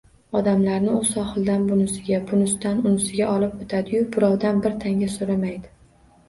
Odamlarni u sohildan bunisiga, bunisidan unisiga olib oʻtadi-yu, birovdan bir tanga soʻramaydi